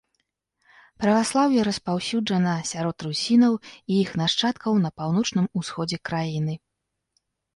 Праваслаўе распаўсюджана сярод русінаў і іх нашчадкаў на паўночным усходзе краіны.